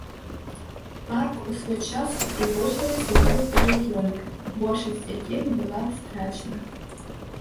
Парк у свой час упрыгожвалі садовыя павільёны, большасць з якіх была страчана.